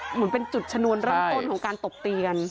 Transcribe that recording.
เหมือนเป็นจุดชนวนเรื่องต้นการตบทีกัน